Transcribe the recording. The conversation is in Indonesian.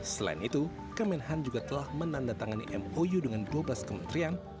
selain itu kemenhan juga telah menandatangani mou dengan dua belas kementerian